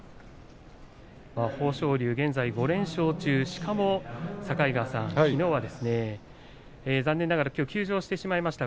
豊昇龍は５連勝中で境川さん、きのうは残念ながらきょう、休場になりました。